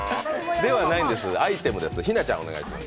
ではないんです、アイテムです。